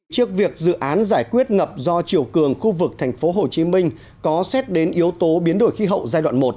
trước việc dự án giải quyết ngập do chiều cường khu vực tp hcm có xét đến yếu tố biến đổi khí hậu giai đoạn một